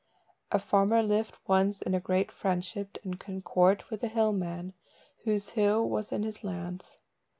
A farmer lived once in great friendship and concord with a hill man, whose hill was in his lands.